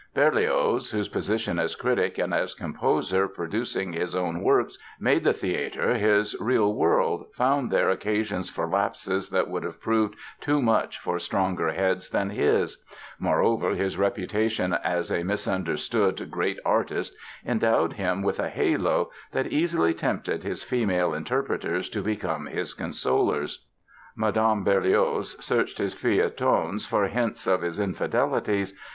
Berlioz, whose position as critic and as composer producing his own works made the theatre his real world, found there occasions for lapses that would have proved too much for stronger heads than his; moreover, his reputation as a misunderstood great artist endowed him with a halo that easily tempted his female interpreters to become his consolers. Madame Berlioz searched his feuilletons for hints of his infidelities.